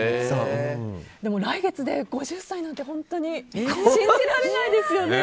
でも来月で５０歳なんて信じられないですよね。